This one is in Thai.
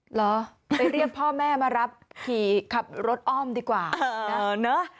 เหรอไปเรียกพ่อแม่มารับขี่ขับรถอ้อมดีกว่าเนอะ